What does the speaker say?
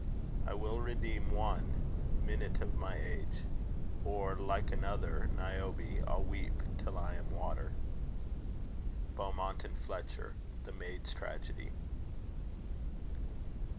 I will redeem one minute of my age, Or, like another Niobe, I'll weep Till I am water. BEAUMONT AND FLETCHER. The Maid's Tragedy.